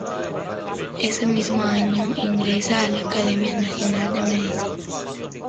Ese mismo año ingresa a la Academia Nacional de Medicina.